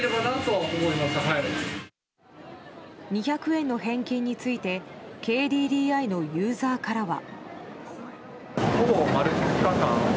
２００円の返金についてＫＤＤＩのユーザーからは。